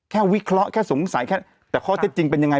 แค่วิเคราะห์แค่สงสัยแต่ข้อเท็จจริงเป็นอย่างไร